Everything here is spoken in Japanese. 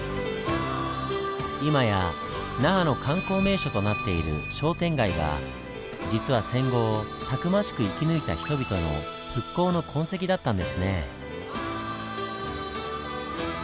今や那覇の観光名所となっている商店街が実は戦後をたくましく生き抜いた人々の復興の痕跡だったんですね。